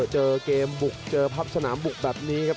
เจอเกมบุกเจอพับสนามบุกแบบนี้ครับ